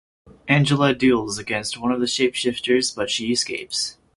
Angela duels against one of the shapeshifters but she escapes.